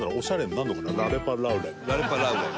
ラレパ・ラウレン。